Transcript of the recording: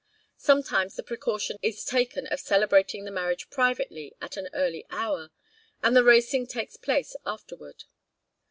Sometimes the precaution is taken of celebrating the marriage privately at an early hour, and the racing takes place afterward.